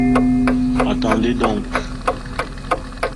Attendez donc!